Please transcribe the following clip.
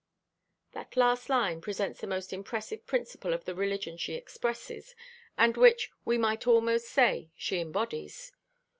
That last line presents the most impressive principle of the religion she expresses, and which, we might almost say, she embodies.